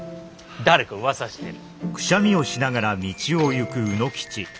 誰かうわさしてる。